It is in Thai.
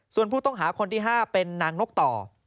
ส่วนผู้ต้องหาคนที่๕เป็นนางนกต่อ